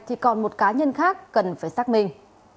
thì còn một cá nhân khác cần phải xác minh